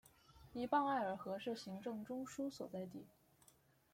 依傍艾尔河是行政中枢所在地。